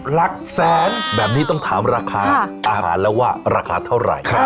หลักแสนแบบนี้ต้องถามราคาอาหารแล้วว่าราคาเท่าไหร่